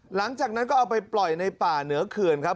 หลังจากนั้นก็เอาไปปล่อยในป่าเหนือเขื่อนครับ